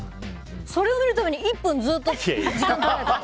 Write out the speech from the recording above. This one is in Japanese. それを見るために１分、ずっと時間がとられたから。